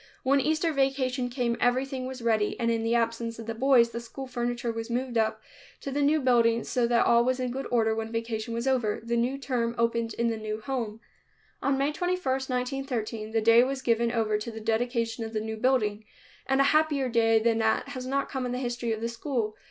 When Easter vacation came everything was ready, and in the absence of the boys, the school furniture was moved up to the new building so that all was in good order when vacation was over. The new term opened in the new home. On May 21, 1913, the day was given over to the dedication of the new building, and a happier day than that has not come in the history of the school.